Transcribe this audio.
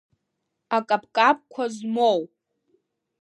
Акаԥкаԥқәа змоу.